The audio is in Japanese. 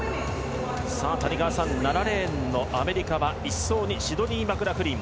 谷川さん、７レーンのアメリカは１走にシドニー・マクラフリン。